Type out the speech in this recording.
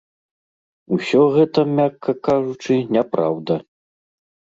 Усё гэта, мякка кажучы, няпраўда.